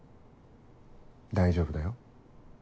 大丈夫だよ。